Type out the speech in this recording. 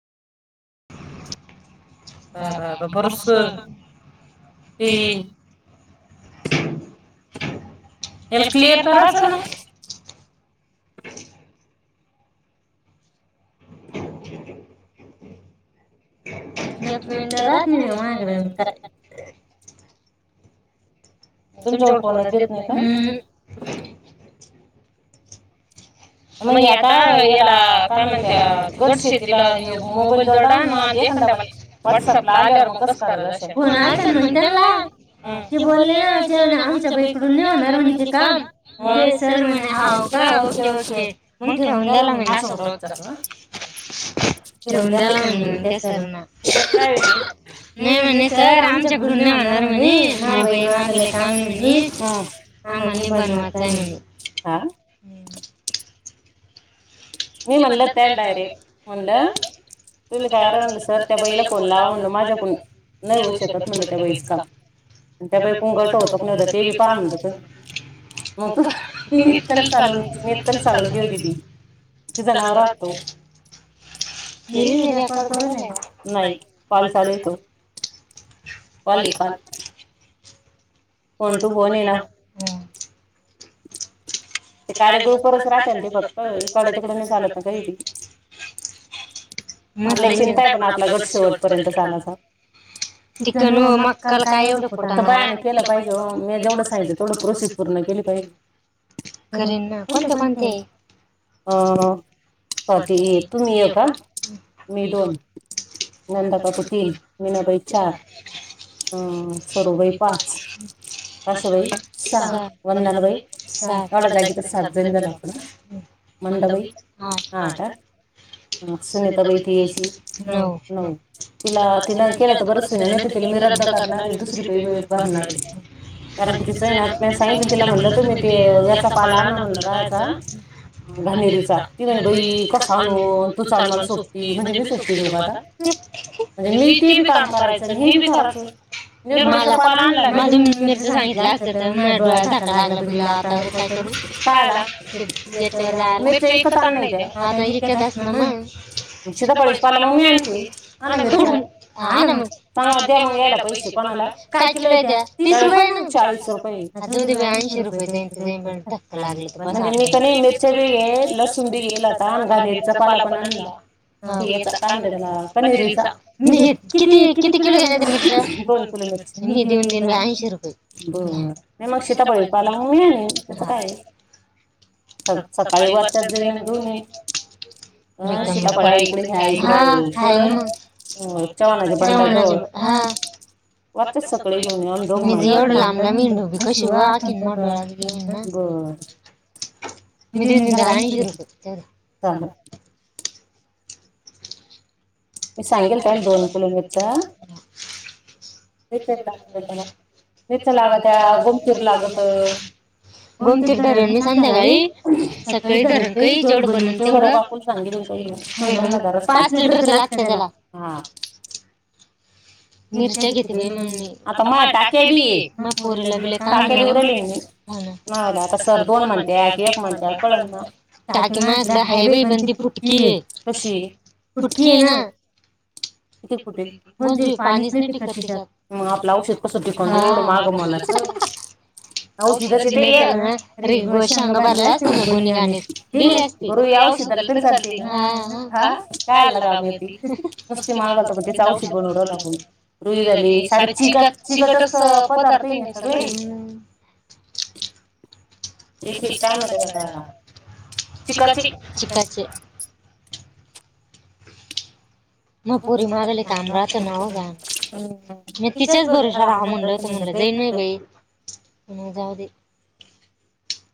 बा बा बा बर्स ती ह्याला क्लिअर करायच ना? एक मिनट राहत नाही [unintelligible] काय तुमच्याकडे फोनच देत नाही का? मग हे आता याला काय म्हणत्या? [unintelligible] मोबाईल जोडा मग एखादा म व्हॉट्सअपला आल्यावर मग कस क रायला जाशाल मंग कसं कराल? फोन आलत ना, मग त्यांला त बोलले ना ते आमच्या बाईकडून नाई होणार म्हणे ते काम सर म्हणे हो का? Okay okay. मग ठेवून द्याला म्हण समोरं होत चाल ठेवून द्यायला म्ह म्ह सर नाही म्हणे सर आमच्याकडून नाही होणार म्हणे माबाई माझ का म्ह आ मी बनव मी म्हणल त्याला डायरेक्ट म्हणलं, तुम्ही [unintelligible] सर त्या बाईला फोन लावा म्हणल माझ्याकडून नाही होऊ शकत म्हणलं त्या बाईच काम. त्या बाई [unintelligible] बी पहा म्हणलं तुम्ही मग [unintelligible] जनावर असतोय नाही [unintelligible] पाले पाल. फोन त फोन ये ना ते कार्य ग्रूप वरच राहतय ना ते फक्त? इकडल तिकडल नाही चालत ना ते [unintelligible] लई चिंताय पण आपला गट शेवट पर्यंत चालायचा. [unintelligible] मग काय ओ एवढा कुटाना- फक्त बायानी केलं पाहिजे हो, मी जेवढं सांगितल तेवढी प्रोसेस पूर्ण केली पाहिजे. करेन ना कोणते कोणतेये? पाात ये तुम्ही ये का मी दोन नंदापट तीन मनाबाई चार सर्बाई पाच अशाबाई स वंदनबाई सात थड्या जागीच सात जणी झा लो आपण मंदाबाई आठहं, सुनीताबाई ती येते ती नऊ तिला तिन केलं तर बरचय नाहीतर तीला मी रद्द करणारये दुसरी बाई भरणारये, कारण कि तिचंय ना म्या सांगितलं तिला म्हणलं तिला की ततुम्ही पाला आणा म्हणलं कायचा घाणेरीचा ती म्हणे बाई कसा आणु? तू चाल मला सोबती म्हणजे मी सोबतीला जाऊ का आता? म्हणजे मी ते बी काम करायचं हे बी करायच माझा पाला आणला माझ मिरच सांगितलं असत तर डोळ्यात धाकायला लागला बिगला आता कायला? [unintelligible] जायला मिरच्या इकत आणल्या आता इकत ना मग म मीा मग सांगा द मग याला पैसे कोणाला काय किलो आहे द्या तीस रुपये ना चाळीस रुपय अजद ऐंशी रुपये जा तेे पण म्हणजे मी कनी मिरचच्या बी ये लसूण बी घेईल आ ता आं घानेरीचा पाला पण आणला आता, काय म्हणता याचा कनेरीचा मी किती किती किलो घेण्या दोन किलो मिर मी देऊन मग शीतापळी पाला म मी आण त काय? सकाळी [unintelligible] जाईन अन घेऊन येईन, अ शीतापळ इकडे ह्या इकडे चव्हाणाचे [unintelligible] जवळ वाचतत सकाळी घेऊन ये दघ लांब हं. [unintelligible] [unintelligible] गोमतीर धरन मी संध्याकाळी सकाळी धरण काही जेवढ बनन तेवढ पाच लिटर तेलात- ला हा. मिरच्या घेते बाई मग मी आता माहया टाक्या बीये मग पोरीला बि लय काम नाय उरत हो नाआता सर दोन म्हणत्यात की एक म्हणत्यात कळन ना टाकी माझ्याकडं हाय बाई पण ती फुटकी आहे कशी फुटकीय ना इथ कुठे? म्हणजे [unintelligible] पाणीच नाही टिकत त्याच्यात मग आपलं औषध कसं टीकल एवढं महागा मोलाच [unintelligible] गुळ शेंगा भरलं असतं मी गोणी गाणीत दिली असती रुई औषधाला तरी चालती आ मग [unintelligible] नुसत महागाच पण त्याच औषध बनवुन राहीलो आपण रुई झाली सारे चिगाट चिगटच पदार्थ हाय ना सगळे हम्म. तेच ते त्यामध्ये [unintelligible] [inaudible] मग पुरी मागली काम राहत नावघा मी तिचेच भरोशश्यावर राहा म्हणलं होत म्हणलं जाईन मी बाई म्ह जाऊ दे.